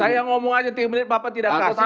saya ngomong aja tiga menit bapak tidak kasih